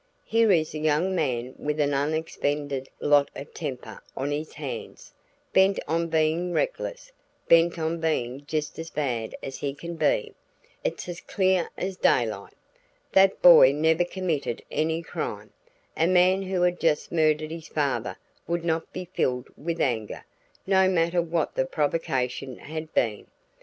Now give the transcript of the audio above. Here is a young man with an unexpended lot of temper on his hands bent on being reckless; bent on being just as bad as he can be. It's as clear as daylight. That boy never committed any crime. A man who had just murdered his father would not be filled with anger, no matter what the provocation had been.